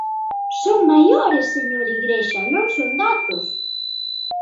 ¡Son maiores, señor Igrexa, non son datos!